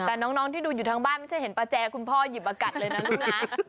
แต่น้องน้องที่ดูทั้งบ้านไม่ใช่เห็นประแจของพ่ออยีบมากัดเลยนะลูกน้า